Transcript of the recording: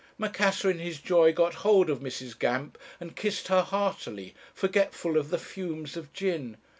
Macassar in his joy got hold of Mrs. Gamp, and kissed her heartily, forgetful of the fumes of gin.